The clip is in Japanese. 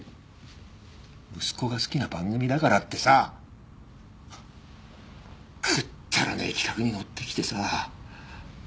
息子が好きな番組だからってさくっだらねえ企画にのってきてさ。